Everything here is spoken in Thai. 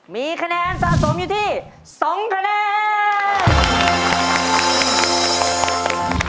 มีคะแนนสะสมอยู่ที่๒คะแนน